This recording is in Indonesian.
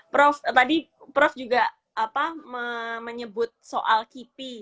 prof tadi juga menyebut soal kipik